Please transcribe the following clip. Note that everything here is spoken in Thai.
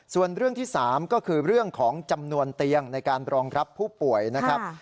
ส่วนเรื่องที่๓ก็คือเรื่องของจำนวนเตียงในการรองรับผู้ป่วยนะครับ